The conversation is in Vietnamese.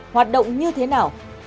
hoạt động như thế nào